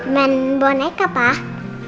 main boneka pak